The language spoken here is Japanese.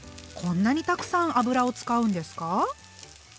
こんなにたくさん油を使うんですか？